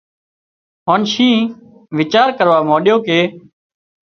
هانَ شينهن ويڇار ڪروا مانڏيو ڪي